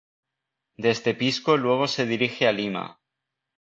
Desde Pisco luego se dirige a Lima.